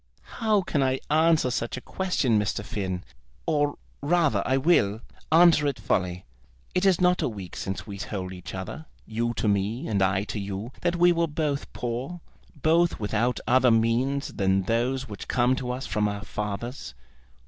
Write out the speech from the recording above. "How can I answer such a question, Mr. Finn? Or, rather, I will, answer it fully. It is not a week since we told each other, you to me and I to you, that we were both poor, both without other means than those which come to us from our fathers.